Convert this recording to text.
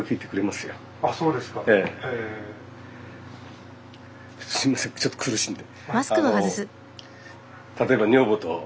すいませんちょっと苦しいんで。